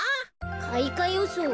かいかよそう？